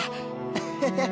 アハハッ！